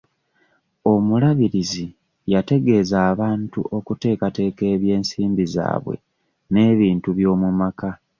Omulabirizi yategeeza abantu okuteekateeka eby'ensimbi zaabwe n'ebintu by'omu maka.